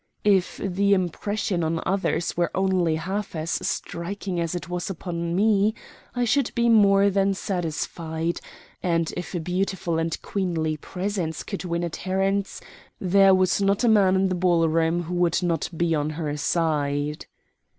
If the impression on others were only half as striking as it was upon me, I should be more than satisfied; and if a beautiful and queenly presence could win adherents there was not a man in the ball room who would not be on her side.